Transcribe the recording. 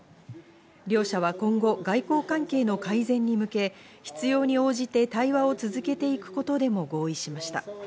両者は今後、外交関係の改善に向け、必要に応じて対話を続けていくことでも合意しました。